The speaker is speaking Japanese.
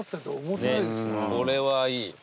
これはいい。